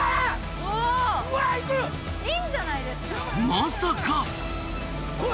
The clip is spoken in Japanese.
まさか。